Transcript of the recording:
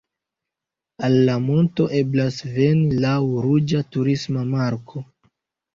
Al la monto eblas veni laŭ ruĝa turisma marko.